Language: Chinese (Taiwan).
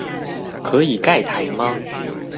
可以蓋台嗎